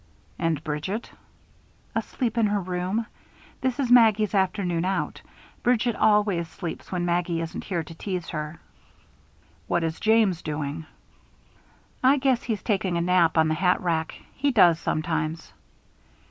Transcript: "And Bridget?" "Asleep in her room. This is Maggie's afternoon out: Bridget always sleeps when Maggie isn't here to tease her." "What is James doing?" "I guess he's taking a nap on the hat rack. He does, sometimes."